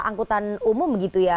angkutan umum begitu ya